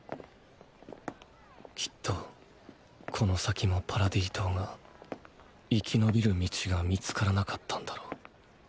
きっとこの先もパラディ島が生き延びる道が見つからなかったんだろう。